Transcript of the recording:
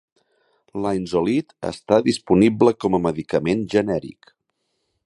Linezolid està disponible com a medicament genèric.